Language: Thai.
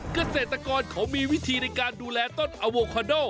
เกษตรกรเขามีวิธีในการดูแลต้นอโวคาโด